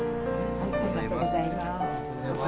ありがとうございます。